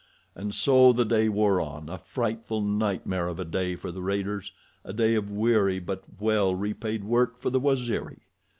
And so the day wore on—a frightful nightmare of a day for the raiders—a day of weary but well repaid work for the Waziri.